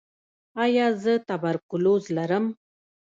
ایا زه تبرکلوز لرم؟